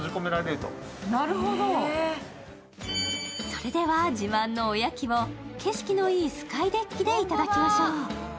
それでは自慢のおやきを景色のいいスカイデッキで頂きましょう。